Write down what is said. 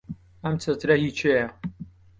ئەم چەترە هی کێیە؟